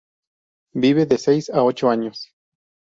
Vive de seis a ocho años.